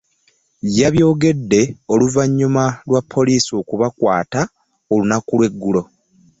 Yabyogedde oluvannyuma lwa poliisi okubakwata olunaku lw'eggulo